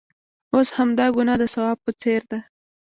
اوس همدا ګناه د ثواب په څېر ده.